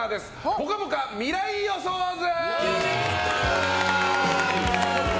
ぽかぽか未来予想図！